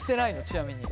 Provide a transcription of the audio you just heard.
ちなみに。